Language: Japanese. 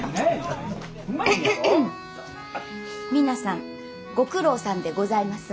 皆さんご苦労さんでございます。